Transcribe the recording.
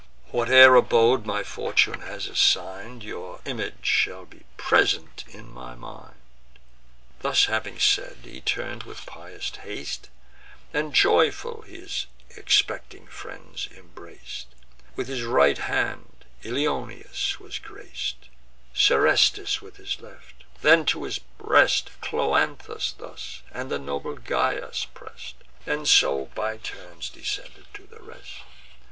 Whate'er abode my fortune has assign'd, Your image shall be present in my mind." Thus having said, he turn'd with pious haste, And joyful his expecting friends embrac'd: With his right hand Ilioneus was grac'd, Serestus with his left; then to his breast Cloanthus and the noble Gyas press'd; And so by turns descended to the rest.